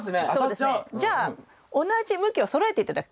じゃあ同じ向きをそろえて頂く。